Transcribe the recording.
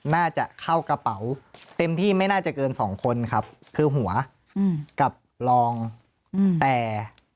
น่าจะเข้ากระเป๋าเต็มที่ไม่น่าจะเกินสองคนครับคือหัวกับรองแต่